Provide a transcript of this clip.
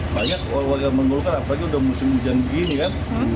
banyak warga warga menguruskan apalagi sudah musim hujan begini kan